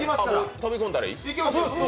飛び込んだらいい？